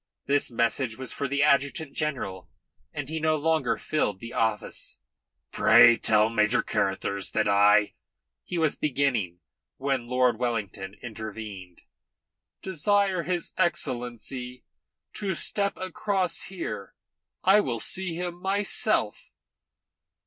This message was for the adjutant general and he no longer filled the office. "Pray tell Major Carruthers that I " he was beginning, when Lord Wellington intervened. "Desire his Excellency to step across here. I will see him myself."